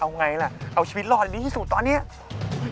เอาไงล่ะเอาชีวิตรอดอย่างนี้ที่สูงตอนนี้